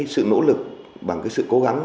sự nỗ lực bằng sự cố gắng